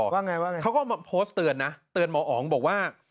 ว่าไงว่าไงเขาก็มาโพสต์เตือนนะเตือนหมออ๋องบอกว่า